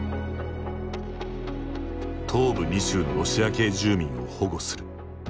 東部２州のロシア系住民を保護する。